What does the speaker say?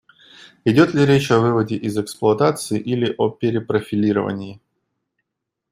Идет ли речь о выводе из эксплуатации или о перепрофилировании?